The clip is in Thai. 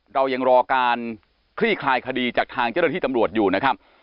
เรายังรอการคลี่คลายคดีจากทางเจ้าหน้าที่ตำรวจอยู่นะครับ